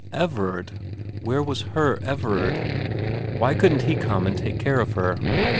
Everard where was her Everard ? Why didn't he come and take care of her